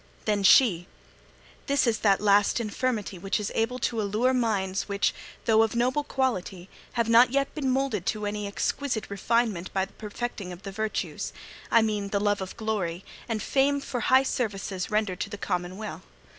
Then she: 'This is that "last infirmity" which is able to allure minds which, though of noble quality, have not yet been moulded to any exquisite refinement by the perfecting of the virtues I mean, the love of glory and fame for high services rendered to the commonweal.